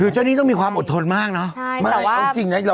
คือต้องเป็นกระบวนการ